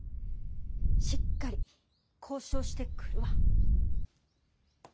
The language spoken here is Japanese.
しっかり交渉してくるわ。